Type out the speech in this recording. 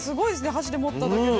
箸で持った時も。